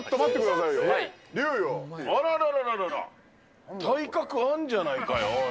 リュウよ、あらら、体格あんじゃないかよ、おい。